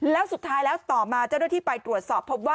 แล้วสุดท้ายแล้วต่อมาเจ้าหน้าที่ไปตรวจสอบพบว่า